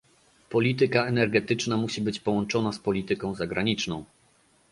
Polityka energetyczna musi być połączona z polityką zagraniczną